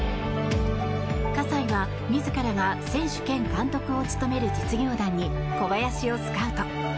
葛西は、自らが選手権監督を務める実業団に小林をスカウト。